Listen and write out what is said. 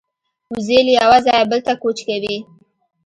وزې له یوه ځایه بل ته کوچ کوي